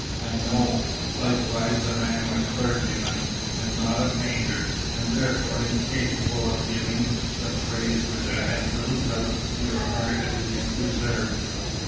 I know, likewise, that I am a clergyman, and not a painter, and therefore incapable of giving the praise which I have little doubt your art at least deserves."